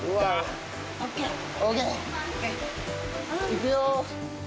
いくよ。